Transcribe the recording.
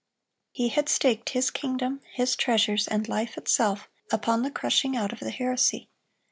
He had staked his kingdom, his treasures, and life itself, upon the crushing out of the heresy.